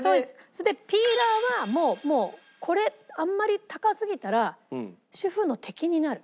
それでピーラーはもうもうこれあんまり高すぎたら主婦の敵になる。